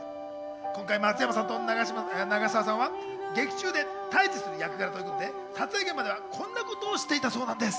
今回、松山さんと長澤さんは劇中で対峙する役柄ということで撮影現場ではこんなことをしていたそうなんです。